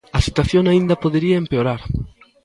A situación aínda podería empeorar.